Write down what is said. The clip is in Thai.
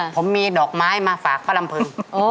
ผมมีดอกไม้มาฝากป้าลำพึง